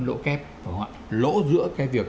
lỗ kép lỗ giữa cái việc